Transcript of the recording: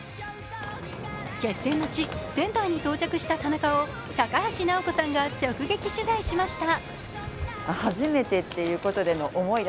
決戦の地、仙台に到着した田中を高橋尚子さんが直撃取材しました。